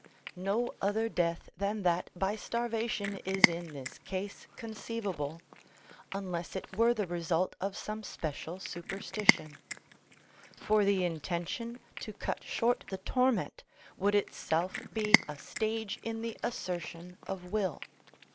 No other death than that by starvation is in this case conceivable (unless it were the result of some special superstition); for the intention to cut short the torment would itself be a stage in the assertion of will.